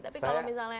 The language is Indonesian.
tapi kalau misalnya